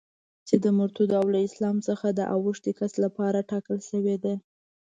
چي د مرتد او له اسلام څخه د اوښتي کس لپاره ټاکله سوې ده.